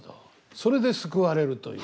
それで救われるという？